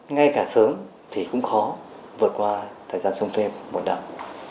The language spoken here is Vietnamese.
ngay cả sớm thì cũng khó vượt qua thời gian sông thuê một năm